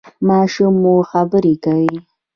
ماشوم مو خبرې کوي؟